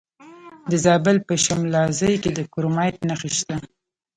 د زابل په شمولزای کې د کرومایټ نښې شته.